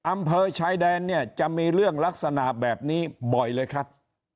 อำเภอชายแดนเนี่ยจะมีเรื่องลักษณะแบบนี้บ่อยเลยครับ